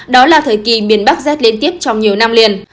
đó là thời kỳ miền bắc rét liên tiếp trong nhiều năm liền